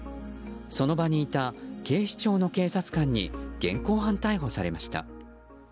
その場にいた警視庁の警察官に現行犯逮捕されました。